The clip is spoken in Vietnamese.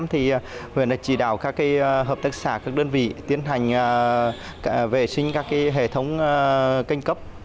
huyện đã chỉ đạo các hợp tác xã các đơn vị tiến hành vệ sinh các hệ thống kênh cấp